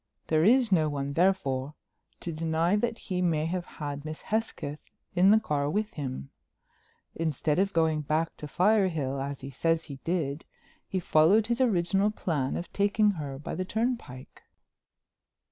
There is no one, therefore, to deny that he may have had Miss Hesketh in the car with him. Instead of going back to Firehill, as he says he did, he followed his original plan of taking her by the turnpike."